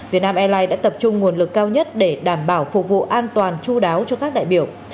việt nam airlines đã tập trung nguồn lực cao nhất để đảm bảo phục vụ an toàn chú đáo cho các đại biểu